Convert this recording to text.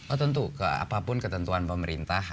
oh tentu apapun ketentuan pemerintah